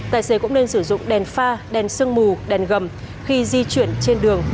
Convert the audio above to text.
tài xế cũng nên sử dụng đèn pha đèn sương mù đèn gầm khi di chuyển trên đường